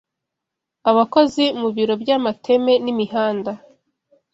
Abakozi bo mu biro by'amateme n'imihanda